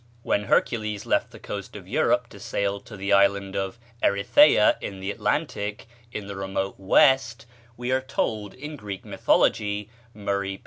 When Hercules left the coast of Europe to sail to the island of Erythea in the Atlantic, in the remote west, we are told, in Greek mythology (Murray, p.